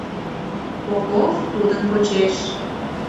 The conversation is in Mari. Попов тудын почеш...